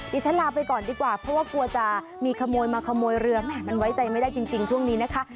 ดิฉันลาไปก่อนดีกว่าเพราะว่ากลัวจะมีขโมยมาขโมยเรือแหมมันไว้ใจไม่ได้จริงช่วงนี้นะคะ